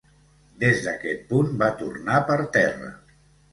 Des d'aquest punt va tornar per terra.